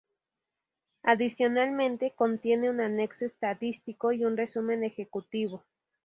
Adicionalmente, contiene un anexo estadístico y un resumen ejecutivo.